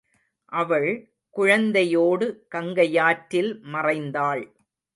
அவள் குழந்தை யோடு கங்கையாற்றில் மறைந்தாள்.